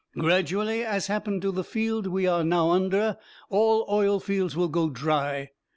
"Gradually, as happened to the field we are now under, all oil fields will go dry.